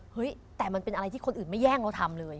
เฮ้ยแต่มันเป็นอะไรที่คนอื่นไม่แย่งเราทำเลย